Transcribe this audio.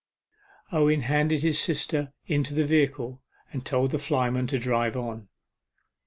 Owen handed his sister into the vehicle, and told the flyman to drive on.